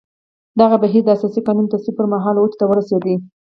دغه بهیر د اساسي قانون تصویب پر مهال اوج ته ورسېد.